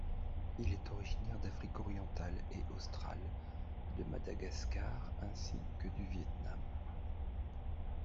Il est originaire d'Afrique orientale et australe, de Madagascar ainsi que du Viêt Nam.